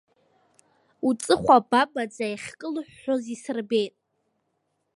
Уҵыхәа бабаӡа иахькылҳәҳәоз исырбеит.